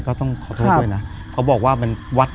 คือก่อนอื่นพี่แจ็คผมได้ตั้งชื่อเอาไว้ชื่อเอาไว้ชื่อเอาไว้ชื่อ